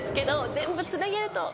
全部つなげると。